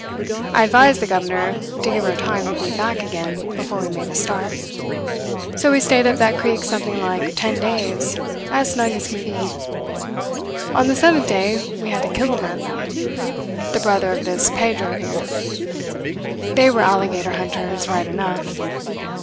I advised the governor to give her time to beat back again before we made a start. So we stayed up that creek something like ten days, as snug as can be. On the seventh day we had to kill a man, though the brother of this Pedro here. They were alligator hunters, right enough.